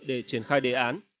để triển khai đề án